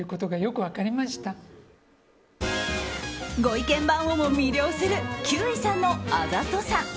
ご意見番をも魅了する休井さんのあざとさ。